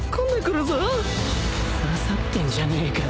刺さってんじゃねえか